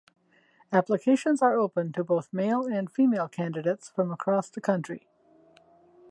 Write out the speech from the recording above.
Applications are open to both male and female candidates from across the country.